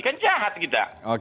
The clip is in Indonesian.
kan jahat kita